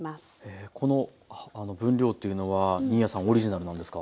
この分量っていうのは新谷さんオリジナルなんですか？